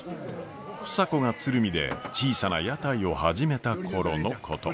房子が鶴見で小さな屋台を始めた頃のこと。